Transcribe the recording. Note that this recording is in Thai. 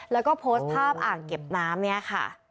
แล้วก็โพสต์ภาพอ่างเก็บน้ำเนี่ยค่ะ